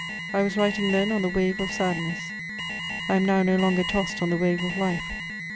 I was writing then on the wave of sadness; I am now no longer tossed on the wave of life.